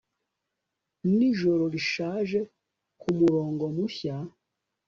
Nijoro rishaje kumurongo mushya